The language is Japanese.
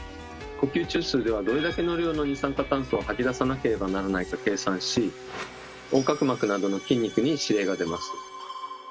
呼吸中枢ではどれだけの量の二酸化炭素を吐き出さなければならないか計算し横隔膜などの筋肉に指令が出ます。